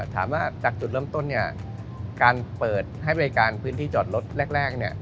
ถามว่าจากจุดเริ่มต้นการเปิดให้บริการพื้นที่จอดรถแรก